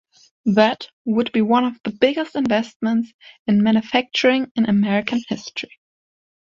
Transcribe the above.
That would be one of the biggest investments in manufacturing in American history.